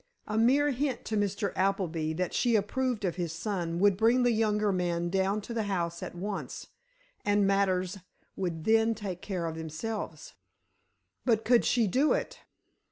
A mere hint to Mr. Appleby that she approved of his son would bring the younger man down to the house at once and matters would then take care of themselves. But could she do it?